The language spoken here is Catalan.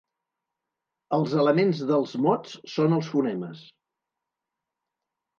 Els elements dels mots són els fonemes.